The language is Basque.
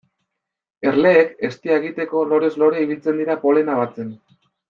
Erleek eztia egiteko lorez lore ibiltzen dira polena batzen.